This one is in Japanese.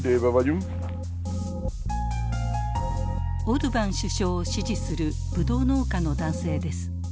オルバン首相を支持するブドウ農家の男性です。